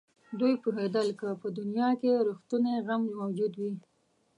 دوی پوهېدل که په دنیا کې رښتونی غم موجود وي.